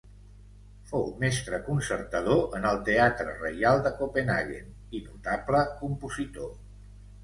Fou mestre concertador en el Teatre Reial de Copenhaguen i notable compositor.